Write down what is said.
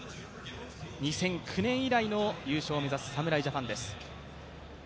２００９年以来の優勝を目指す侍ジャパンです。